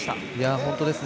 本当ですね。